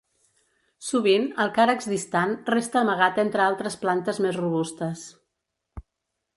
Sovint el càrex distant resta amagat entre altres plantes més robustes.